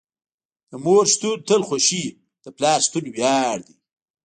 د مور شتون تل خوښې وي، د پلار شتون وياړ دي.